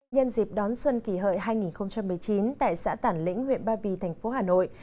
nhân dịp đón xuân kỷ hợi hai nghìn một mươi chín tại xã tản lĩnh huyện ba vì thành phố hà nội